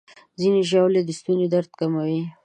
ځینې ژاولې د ستوني درد کموي.